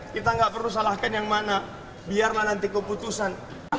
kita nggak perlu salahkan yang mana biarlah nanti keputusan